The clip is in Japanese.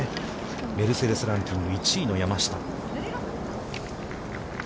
メルセデス・ランキング１位の山下。